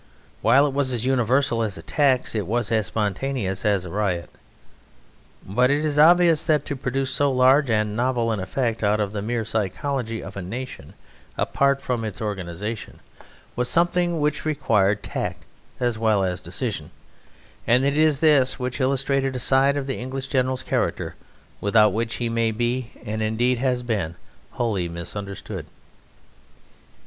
While it was as universal as a tax, it was as spontaneous as a riot. But it is obvious that to produce so large and novel an effect out of the mere psychology of a nation, apart from its organisation, was something which required tact as well as decision: and it is this which illustrated a side of the English general's character without which he may be, and indeed has been, wholly misunderstood.